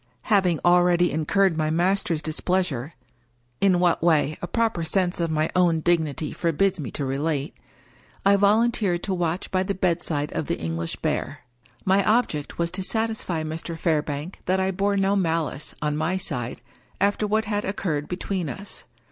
Having already in curred my master's displeasure — in what way, a proper sense of my own dignity forbids me to relate — I volun teered to watch by the bedside of the English Bear. My object was to satisfy Mr. Fairbank that I bore no malice, on my side, after what had occurred between us.